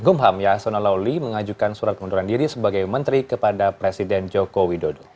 gumham yasona lawli mengajukan surat pengunduran diri sebagai menteri kepada presiden joko widodo